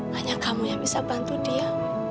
hanya kamu yang bisa bantu dia